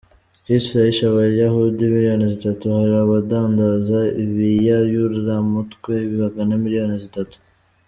Hitler yishe abayahudi imiliyoni zitatu…hari abadandaza ibiyayuramutwe bangana imiliyoni zitatu.